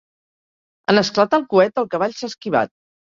En esclatar el coet, el cavall s'ha esquivat.